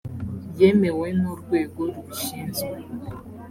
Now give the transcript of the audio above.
yemewe n urwego rubishinzwe